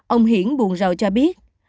ông hiển buồn rầu cho biết